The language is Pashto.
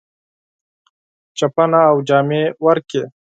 چپنه او جامې ورکړې.